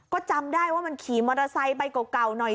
ก็จำได้ว่ามันขี่มอเตอร์ไซค์ไปเก่าหน่อย